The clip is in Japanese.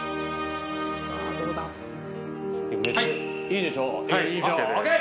いいでしょう？